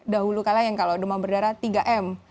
dahulu kalau demam berdarah tiga m